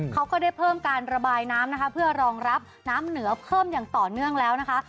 เขาก็ได้เพิ่มการระบายน้ำนะคะเพื่อรองรับน้ำเหนือเพิ่มอย่างต่อเนื่องแล้วนะคะ